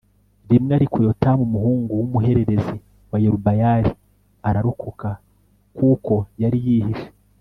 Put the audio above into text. rimwe Ariko Yotamu umuhungu w umuhererezi wa Yerubayali ararokoka kuko yari yihishe